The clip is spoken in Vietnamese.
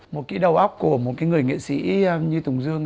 một cái đầu óc của một cái người nghệ sĩ như tùng dương